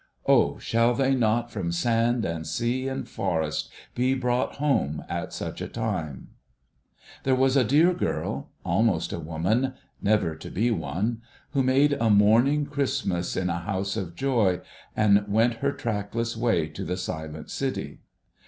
O shall they not, from sand and sea and forest, be brought home at such a time ! There was a dear girl — almost a woman — never to be one — who made a mourning Christmas in a house of joy, and went her track less way to the silent City.